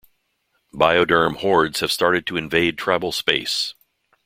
BioDerm Hordes have started to invade tribal space.